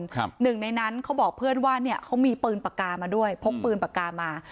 หนึ่งในนั้นเขาบอกเพื่อนว่าเนี่ยเขามีปืนปากกามาด้วยพกปืนปากกามา